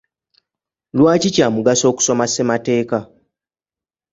Lwaki kya mugaso okusoma ssemateeka?